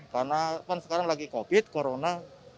karena kan sekarang lagi covid corona